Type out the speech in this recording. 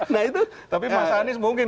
nah itu tapi mas anies mungkin